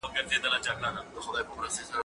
زه به سبا قلم استعمالوم کړم؟!